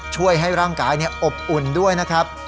ช่วยให้ร่างกายอบอุ่นด้วยนะครับ